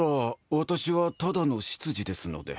私はただの執事ですので。